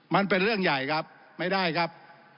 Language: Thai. มันเป็นเรื่องใหญ่ครับไม่ได้ครับ